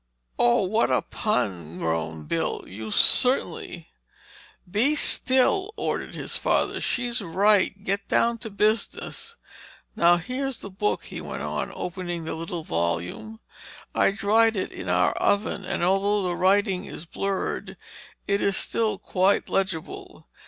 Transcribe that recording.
"Oh, what a pun—" groaned Bill, "you certainly—" "Be still!" ordered his father. "She's right. Let's get down to business. Now, here's the book," he went on, opening the little volume. "I dried it in our oven and although the writing is blurred, it is still quite legible.